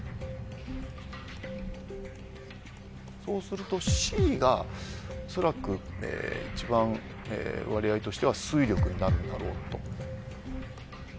そうするとＣが恐らく一番割合としては水力になるんだろうと。